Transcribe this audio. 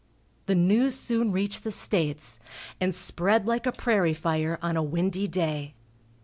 The news soon reached the States, and spread like a prairie fire on a windy day.